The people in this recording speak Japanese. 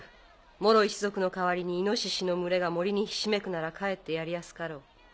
モロ一族の代わりに猪の群れが森にひしめくならかえってやりやすかろう。